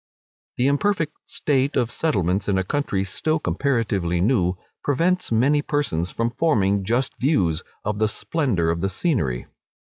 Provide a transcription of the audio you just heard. The imperfect state of settlements in a country still comparatively new, prevents many persons from forming just views of the splendour of the scenery.